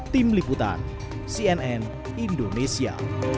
tim liputan cnn indonesia